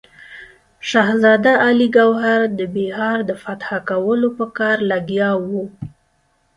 شهزاده علي ګوهر د بیهار د فتح کولو په کار لګیا وو.